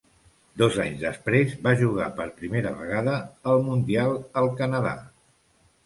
Dos anys després va jugar per primera vegada el Mundial, al Canadà.